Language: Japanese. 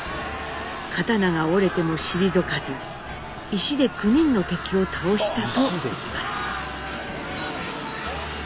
刀が折れても退かず石で９人の敵を倒した」といいます。